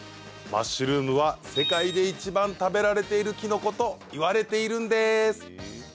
マッシュルームは、世界でいちばん食べられているキノコといわれているんです！